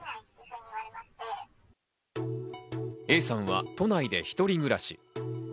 Ａさんは都内で一人暮らし。